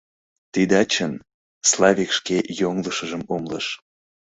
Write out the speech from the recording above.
— Тидат чын, — Славик шке йоҥылышыжым умылыш.